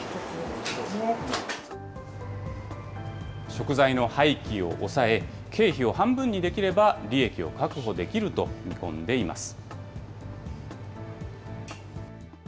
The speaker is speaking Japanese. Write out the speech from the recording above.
食材の廃棄を抑え、経費を半分にできれば、利益を確保できると見込んでいます。